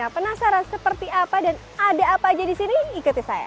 penasaran seperti apa dan ada apa aja di sini ikuti saya